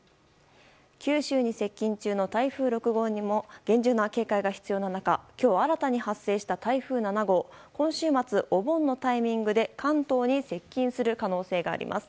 九州に接近中の台風６号にも厳重な警戒が必要な中今日新たに発生した台風７号は今週末、お盆のタイミングで関東に接近する可能性があります。